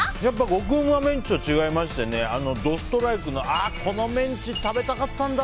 極旨メンチと違いましてドストライクのこのメンチ食べたかったんだ！